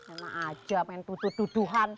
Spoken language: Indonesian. emang aja main tutup duduhan